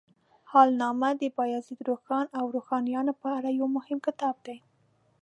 حالنامه د بایزید روښان او روښانیانو په اړه یو مهم کتاب دی.